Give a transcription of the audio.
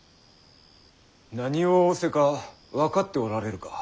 何を仰せか分かっておられるか？